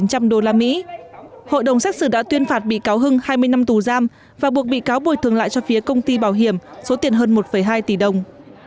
hội đồng xét xử đã tuyên phạt bị cáo hưng hai mươi năm tù giam và buộc bị cáo bồi thường lại cho phía công ty bảo hiểm số tiền hơn một hai tỷ đồng